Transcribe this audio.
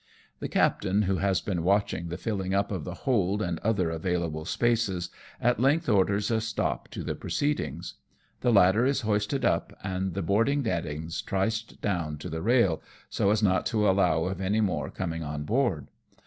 The captain, who has been watching the filling up of the hold and other available spaces, at length orders a stop to the proceedings. The ladder is hoisted up, and the boarding nettings triced down to the rail, so as not to allow of any more coming on board.